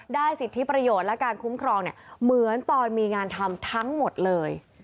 สิทธิประโยชน์และการคุ้มครองเหมือนตอนมีงานทำทั้งหมดเลย